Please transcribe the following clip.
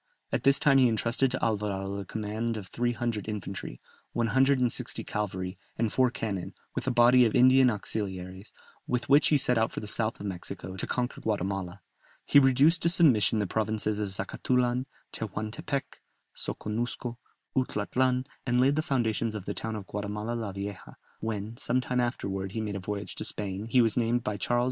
At this time he entrusted to Alvarado the command of three hundred infantry, one hundred and sixty cavalry, and four cannon, with a body of Indian auxiliaries, with which he set out for the south of Mexico, to conquer Guatemala. He reduced to submission the provinces of Zacatulan, Tehuantepec, Soconusco, Utlatlan, and laid the foundations of the town of Guatemala la Vieja; when, some time afterwards he made a voyage to Spain, he was named by Charles V.